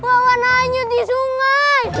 wawon hanyut di sungai